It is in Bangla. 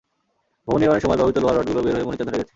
ভবন নির্মাণের সময় ব্যবহৃত লোহার রডগুলো বের হয়ে মরিচা ধরে গেছে।